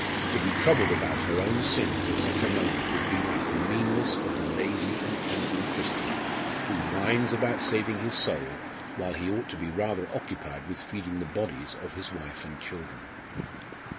To be troubled about her own sins at such a moment would be like the meanness of the lazy and canting Christian, who whines about saving his soul while he ought to be rather occupied with feeding the bodies of his wife and children.